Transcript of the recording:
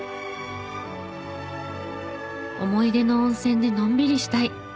思い出の温泉でのんびりしたい。